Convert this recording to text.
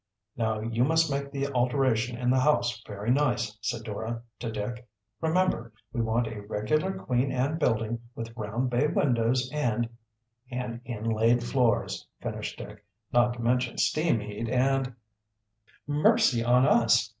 "Now you must make the alteration in the house very nice," said Dora to Dick. "Remember, we want a regular Queen Anne building, with round bay windows, and " "And inlaid floors," finished Dick, "not to mention steam heat, and " "Mercy on us!"